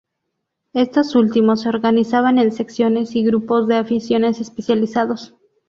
Estos últimos se organizaban en secciones y grupos de aficiones especializados.